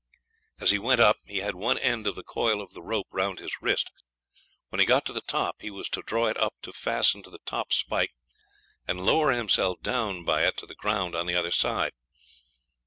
As he went up he had one end of the coil of the rope round his wrist. When he got to the top he was to draw it up to fasten to the top spike, and lower himself down by it to the ground on the other side.